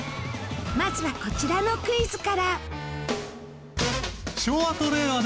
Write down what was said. まずはこちらのクイズから。